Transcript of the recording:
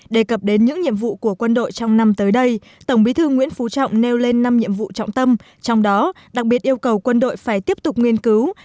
đề cập đến những nhiệm vụ của quân đội trong năm tới đây tổng bí thư nguyễn phú trọng nêu lên năm nhiệm vụ trọng tâm trong đó đặc biệt yêu cầu quân đội phải tiếp tục nghiên cứu